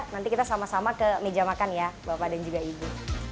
nanti kita sama sama ke meja makan ya bapak dan juga ibu